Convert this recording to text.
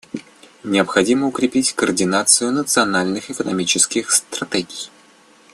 Необходимо укрепить координацию национальных экономических стратегий.